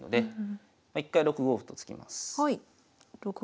一回６五歩と突きます。